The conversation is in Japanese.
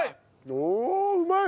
おおうまい！